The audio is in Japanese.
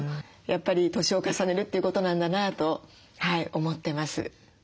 やっぱり年を重ねるっていうことなんだなと思ってます。